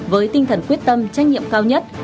với tinh thần quyết tâm trách nhiệm cao nhất